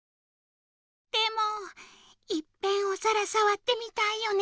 でもいっぺんおさらさわってみたいよね。